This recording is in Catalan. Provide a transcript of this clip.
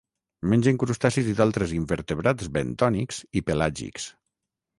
Mengen crustacis i d'altres invertebrats bentònics i pelàgics.